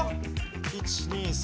１２３。